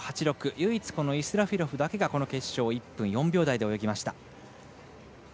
唯一イスラフィロフだけがこの決勝、１分４秒台で泳ぎました。